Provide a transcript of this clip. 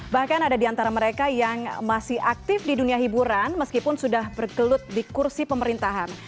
bahkan ada di antara mereka yang masih aktif di dunia hiburan meskipun sudah bergelut di kursi pemerintahan